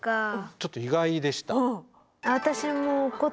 ちょっと意外でした。